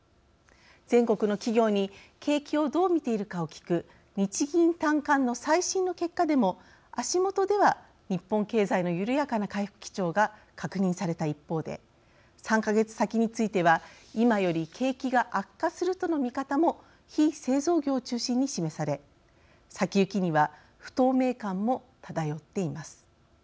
全国の企業に景気をどう見ているかを聞く日銀短観の最新の結果でも足元では日本経済の緩やかな回復基調が確認された一方で３か月先については今より景気が悪化するとの見方も非製造業を中心に示され先行きには不透明感も漂っています。